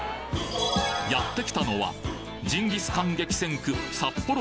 やってきたのはジンギスカン激戦区